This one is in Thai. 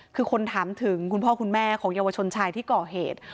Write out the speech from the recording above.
คือคนถามถึงคุณพ่อคุณแม่ของเยาวชนชายที่ก่อเหตุ